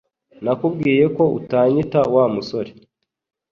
Nakubwiye ko utanyita Wa musore